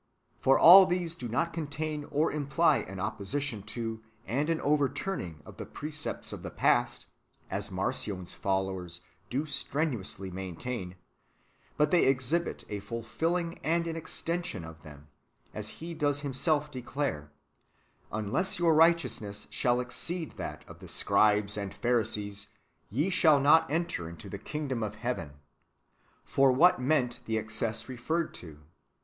For all these do not contain or imply an opposition to and an over turning of the [precepts] of the past, as Marcion's followers do strenuously maintain ; but [they exhibit] a fulfilling and an extension of them, as He does Himself declare :" Unless your righteousness shall exceed that of the scribes and Pharisees, ye shall not enter into the kingdom of heaven." * For what meant the excess referred to